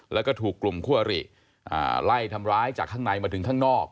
แล้วก็ถูกกลุ่มคั่วหรี่ไล่ทำร้ายจากข้างในมาถึงข้างนอก